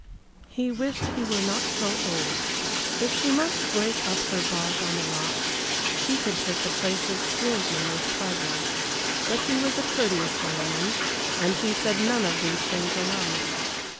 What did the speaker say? He wished he were not so old. If she must break up her bark on the rocks, he could take the place of steersman with pleasure. But he was a courteous gentleman and he said none of these things aloud.